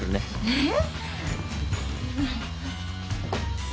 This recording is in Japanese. えっ？